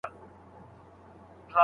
لارښود د علمي بنسټونو سره همکاري لري.